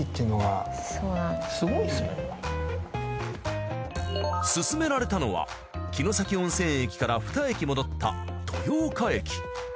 すごいっすね。勧められたのは城崎温泉駅から２駅戻った豊岡駅。